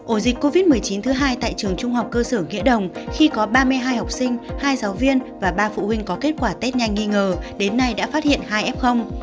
ổ dịch covid một mươi chín thứ hai tại trường trung học cơ sở nghĩa đồng khi có ba mươi hai học sinh hai giáo viên và ba phụ huynh có kết quả tết nhanh nghi ngờ đến nay đã phát hiện hai f